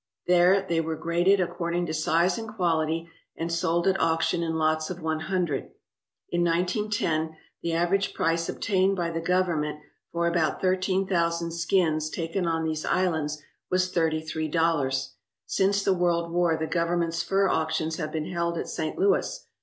There they were graded according to size and quality, and sold at auction in lots of one hundred. In 1910 the average price obtained by the Government for about thirteen thousand skins taken on these islands was thirty three dollars. Since the World War the Government's fur auctions have been held at St. Louis.